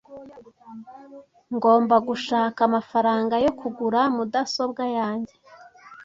Ngomba gushaka amafaranga yo kugura mudasobwa yanjye.